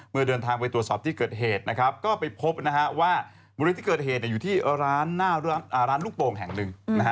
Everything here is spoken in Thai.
เดินทางไปตรวจสอบที่เกิดเหตุนะครับก็ไปพบว่าบริเวณที่เกิดเหตุอยู่ที่ร้านลูกโป่งแห่งหนึ่ง